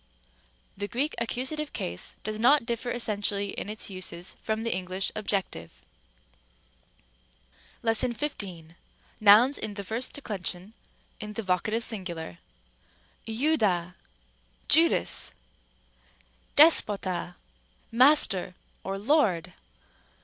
The Greek accusative case does not differ essentially in its uses from the English objective. §15. Nouns of the first declension, in the vocative singular. *Iovda, Judas! (Luke xxii. 48.) δέσποτα, Master! or Lord!